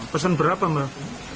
pesan berapa mbak